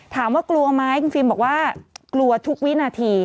กลัวไหมคุณฟิล์มบอกว่ากลัวทุกวินาที